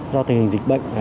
do tình hình dịch bệnh